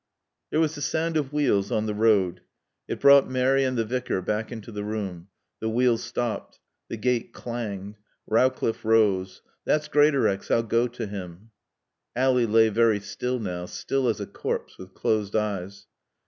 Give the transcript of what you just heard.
There was the sound of wheels on the road. It brought Mary and the Vicar back into the room. The wheels stopped. The gate clanged. Rowcliffe rose. "That's Greatorex. I'll go to him." Ally lay very still now, still as a corpse, with closed eyes.